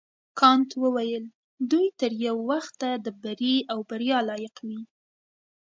کانت وویل دوی تر یو وخته د بري او بریا لایق وي.